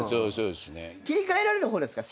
切り替えられる方ですか？